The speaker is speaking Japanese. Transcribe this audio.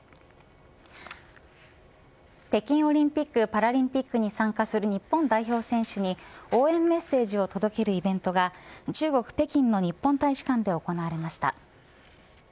北京オリンピックパラリンピックに参加する日本代表選手に応援メッセージを届けるイベントが中国北京の日本大使館で行われました。